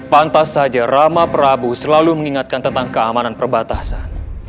pantas saja rama prabu selalu mengingatkan tentang keamanan perbatasan